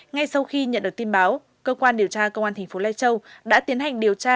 ngay sau khi nhận được tin báo cơ quan điều tra công an thành phố lai châu đã tiến hành điều tra